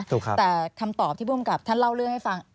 ครับแต่คำตอบที่ภูมิกับท่านเล่าเรื่องให้ฟัง